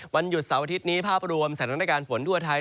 วันหยุดเสาร์อาทิตย์นี้ภาพรวมสถานการณ์ฝนทั่วไทย